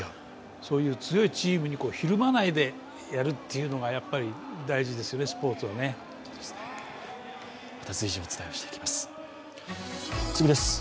そういう強いチームにひるまないでやるっていうのがやっぱり大事ですよね、スポーツは次です。